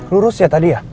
lurus ya tadi ya